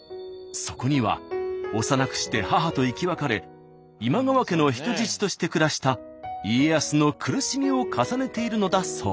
そこには幼くして母と生き別れ今川家の人質として暮らした家康の苦しみを重ねているのだそう。